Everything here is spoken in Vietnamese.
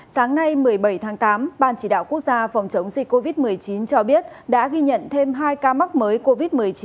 sáng nay một mươi bảy tháng tám ban chỉ đạo quốc gia phòng chống dịch covid một mươi chín cho biết đã ghi nhận thêm hai ca mắc mới covid một mươi chín